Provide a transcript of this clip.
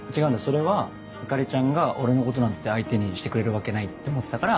それは朱里ちゃんが俺のことなんて相手にしてくれるわけないって思ってたから。